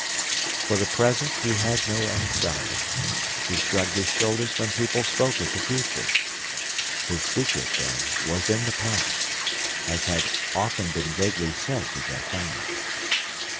For the present he had no anxiety. He shrugged his shoulders when people spoke of the future. His secret, then, was in the past, as had often been vaguely said to D'Artagnan.